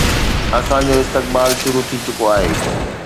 اسان جو استقبال شروع ٿي چڪو آهي